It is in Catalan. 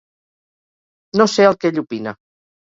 No sé el que ell opina.